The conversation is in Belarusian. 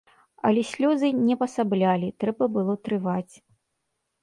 Але слёзы не пасаблялі, трэба было трываць.